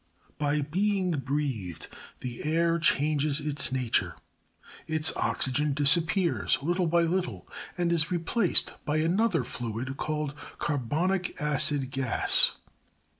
25. By being breathed the air changes its nature; its oxygen disappears little by little, and is replaced by another fluid called cat bonic acid gas.